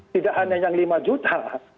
tidak hanya yang lima juta